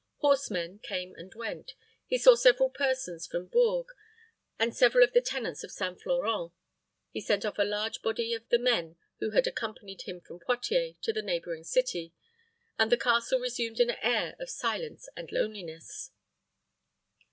Horsemen came and went: he saw several persons from Bourges, and several of the tenants of St. Florent. He sent off a large body of the men who had accompanied him from Poictiers to the neighboring city, and the castle resumed an air of silence and loneliness.